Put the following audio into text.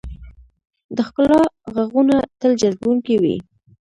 د ښکلا ږغونه تل جذبونکي وي.